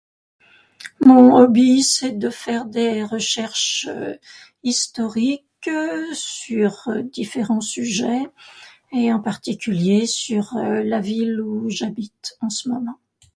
Mon hobby, c'est de faire des recherches historiques sur différents sujets, en particulier sur la ville où j'habite en ce moment